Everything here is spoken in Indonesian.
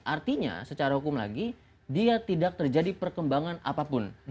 artinya secara hukum lagi dia tidak terjadi perkembangan apapun